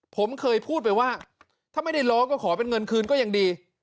ผมเคยพูดไปว่าถ้าไม่ได้ร้องก็ขอเป็นเงินคืนก็ยังดี